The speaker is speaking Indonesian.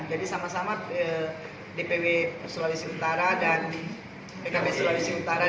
jadi sama sama dpw sulawesi utara dan pkb sulawesi utara dan dpw partai gerindra sulawesi utara itu